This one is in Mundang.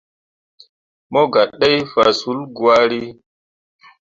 Mo gah ɗai faswulli gwari.